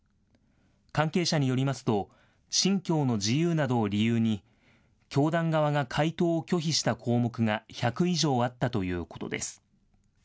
関係者によりますと信教の自由などを理由に教団側が回答を拒否した項目が１００以上あったということです。